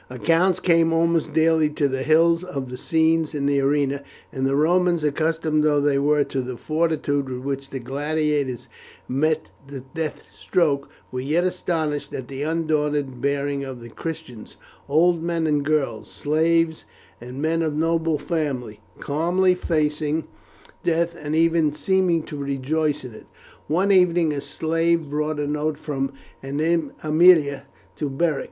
Accounts came almost daily to the hills of the scenes in the arena, and the Romans, accustomed though they were to the fortitude with which the gladiators met the death stroke, were yet astonished at the undaunted bearing of the Christians old men and girls, slaves and men of noble family, calmly facing death, and even seeming to rejoice in it. One evening a slave brought a note from Aemilia to Beric.